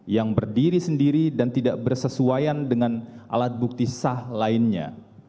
yang berdiri sendiri dan tidak bersesuaian dengan alat bukti sah lainnya